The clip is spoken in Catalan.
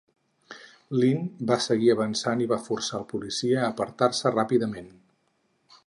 Lynn va seguir avançant i va forçar el policia a apartar-se ràpidament.